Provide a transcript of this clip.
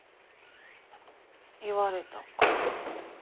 言われたかも。